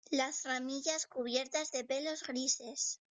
Las ramillas cubiertas de pelos grises.